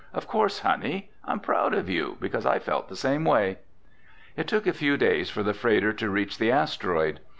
"Of course, honey. I'm proud of you, because I felt the same way." It took a few days for the freighter to reach the asteroid.